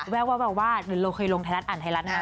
แววว่าเราเคยลงไทยรัฐอ่านไทยรัฐนะคะ